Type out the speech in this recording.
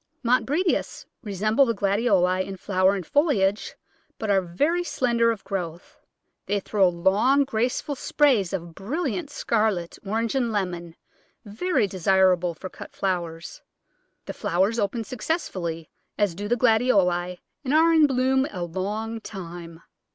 Montbretias resemble the Gladioli in flower and foliage, but are very slender of growth. They throw long, graceful sprays of brilliant scarlet, orange, and lemon, very desirable for cut flowers. The flowers open successively, as do the Gladioli, and are in bloom a long time.